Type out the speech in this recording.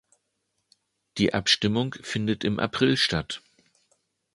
Die Abstimmung findet im April statt.